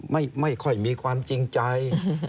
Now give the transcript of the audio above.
ไม่ค่อยมีความจริงใจ